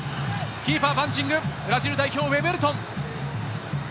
キーパーパンチング、ブラジル代表のウェベルトン。